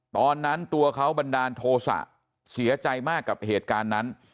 ตอนนั้นตัวเขาบันดาลโทษะเสียใจมากกับเหตุการณ์นั้น